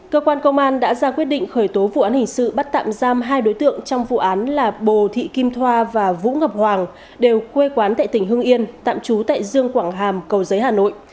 cơ quan công an đã ra quyết định khởi tố vụ án hình sự bắt tạm giam hai đối tượng trong vụ án là bồ thị kim thoa và vũ ngọc hoàng đều quê quán tại tỉnh hưng yên tạm trú tại dương quảng hàm cầu giấy hà nội